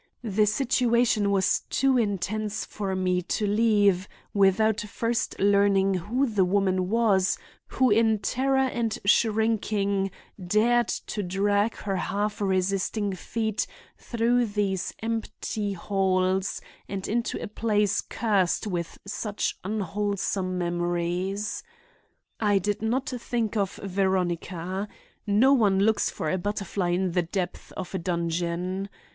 The situation was too intense for me to leave without first learning who the woman was who in terror and shrinking dared to drag her half resisting feet through these empty halls and into a place cursed with such unwholesome memories. I did not think of Veronica. No one looks for a butterfly in the depths of a dungeon.